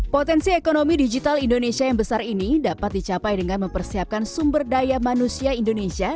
potensi ekonomi digital indonesia yang besar ini dapat dicapai dengan mempersiapkan sumber daya manusia indonesia